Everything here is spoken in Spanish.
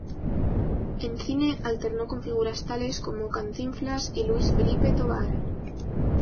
En cine alternó con figuras tales como: Cantinflas y Luis Felipe Tovar.